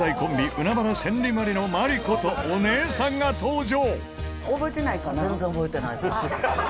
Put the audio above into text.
海原千里・万里の万里ことお姉さんが登場！